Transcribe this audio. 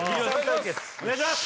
お願いします！